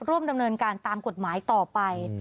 ร่วมดำเนินการตามกฎหมายต่อไป